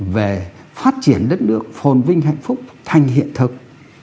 về phát triển đất nước phồn vinh hạnh phúc thành hiện thực